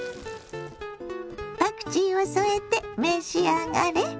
パクチーを添えて召し上がれ。